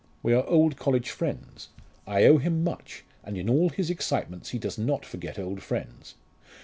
We are old college friends. I owe him much, and in all his excitements he does not forget old friends.